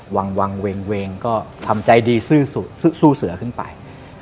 วังเวงก็ทำใจดีสู้เสือขึ้นไป